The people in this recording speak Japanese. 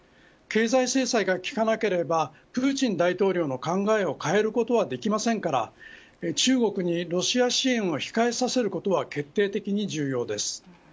経済制裁が効かなければプーチン大統領の考えを変えることはできませんから中国にロシア支援を控えさせることは決定的に重要です。